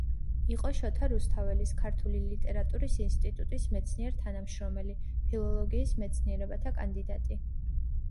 იყო შოთა რუსთაველის ქართული ლიტერატურის ინსტიტუტის მეცნიერ-თანამშრომელი, ფილოლოგიის მეცნიერებათა კანდიდატი.